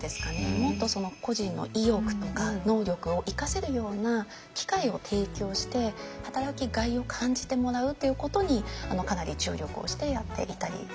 もっとその個人の意欲とか能力を生かせるような機会を提供して働きがいを感じてもらうということにかなり注力をしてやっていたりしますね。